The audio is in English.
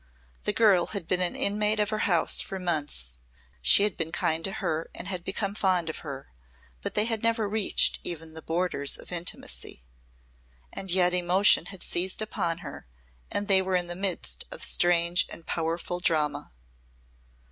The girl had been an inmate of her house for months; she had been kind to her and had become fond of her, but they had never reached even the borders of intimacy. And yet emotion had seized upon her and they were in the midst of strange and powerful drama.